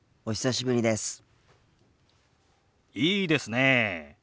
いいですねえ。